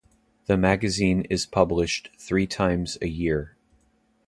The magazine is published three times a year.